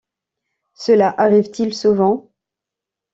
Cela arrive-t-il souvent?